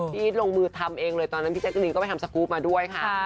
ที่ลงมือทำเองเลยตอนนั้นพี่แจ๊กรีนต้องไปทำสกรูปมาด้วยค่ะ